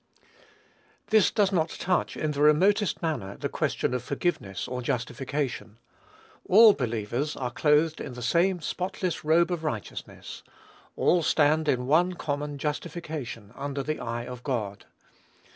This does not touch, in the most remote manner, the question of forgiveness or justification. All believers are clothed in the same spotless robe of righteousness, all stand in one common justification, under the eye of God.